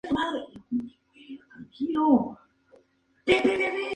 En las maderables esta diferencia en cantidad es exagerada.